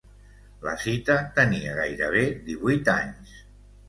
La cita tenia gairebé divuit anys.